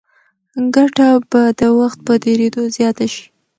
ګټه به د وخت په تېرېدو زیاته شي.